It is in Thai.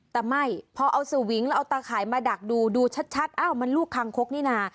แต่ไม่พอเอาสวิงแล้วเอาตาข่ายมาดักดูดูชัดอ้าวมันลูกคังคกนี่นะ